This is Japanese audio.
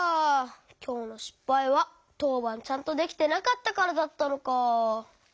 きょうのしっぱいはとうばんちゃんとできてなかったからだったのか。